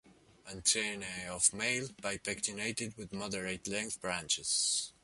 Antennae of male bipectinated with moderate length branches.